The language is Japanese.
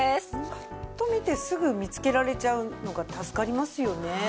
パッと見てすぐ見つけられちゃうのが助かりますよね。